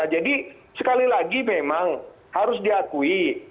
jadi sekali lagi memang harus diakui